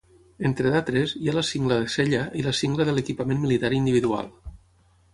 Entre d'altres, hi ha la cingla de sella i la cingla de l'equipament militar individual.